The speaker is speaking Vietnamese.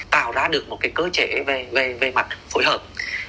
tạo ra được một cơ chế về mặt phối hợp